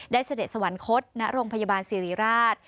เสด็จสวรรคตณโรงพยาบาลสิริราช